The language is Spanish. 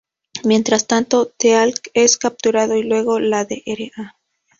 Mientras tanto, Teal'c es capturado y luego la Dra.